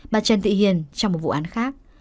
bà trần thị hiền trong một vụ án khác